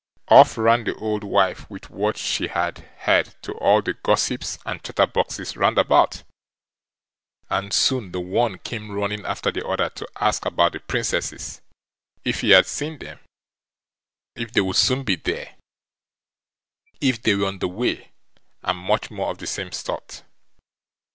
Off ran the old wife with what she had heard to all the gossips and chatterboxes round about, and soon the one came running after the other to ask about the Princesses, "if he had seen them", "if they would soon be there", "if they were on the way", and much more of the same sort.